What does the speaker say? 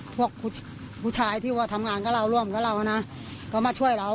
พวกผู้ชายที่ทำงานกับเราก็วิ่งก็มาช่วยเรา